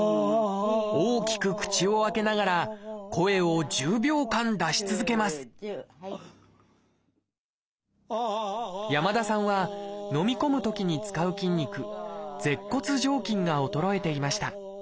大きく口を開けながら声を１０秒間出し続けます山田さんはのみ込むときに使う筋肉「舌骨上筋」が衰えていました。